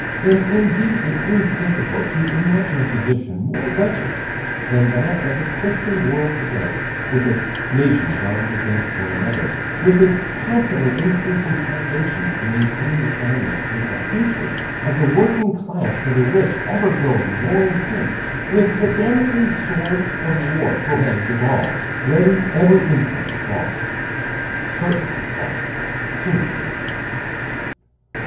And indeed it is difficult to imagine a position more wretched than that of the Christian world to day, with its nations armed against one another, with its constantly increasing taxation to maintain its armies, with the hatred of the working class for the rich ever growing more intense, with the Damocles sword of war forever hanging over the heads of all, ready every instant to fall, certain to fall sooner or later.